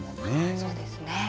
そうですね。